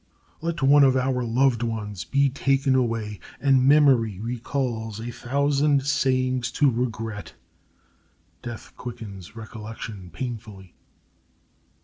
Let one of our loved ones be taken away, and memory recalls a thousand sayings to regret. Death quickens recollection painfully.